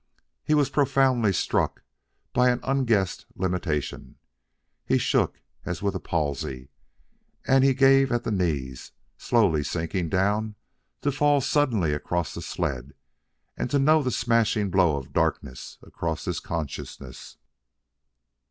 He was profoundly struck by an unguessed limitation. He shook as with a palsy, and he gave at the knees, slowly sinking down to fall suddenly across the sled and to know the smashing blow of darkness across his consciousness.